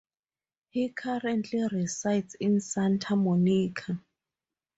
He currently resides in Santa Monica.